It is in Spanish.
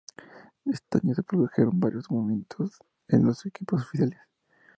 Ese año se produjeron varios movimientos en los equipos oficiales.